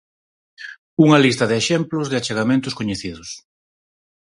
Unha lista de exemplos de achegamentos coñecidos.